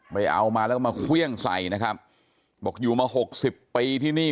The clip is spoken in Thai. ไปเอามาแล้วก็มาเครื่องใส่นะครับบอกอยู่มาหกสิบปีที่นี่